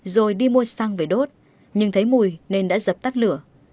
rồi đi mua xăng về đốt nhưng thấy mùi nên đã dập tắt lửa